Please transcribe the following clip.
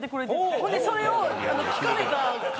ほんでそれを聞かれた方